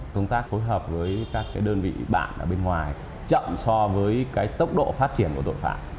công tác phối hợp với các đơn vị bạn ở bên ngoài chậm so với cái tốc độ phát triển của tội phạm